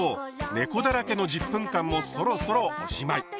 ねこだらけの１０分間もそろそろおしまい。